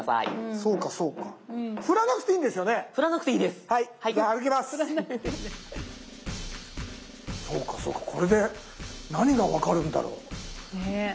そうかそうかこれで何が分かるんだろう？ねえ。